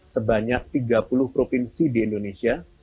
sebanyak tiga puluh provinsi di indonesia